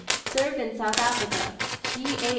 Served in South Africa. D. A.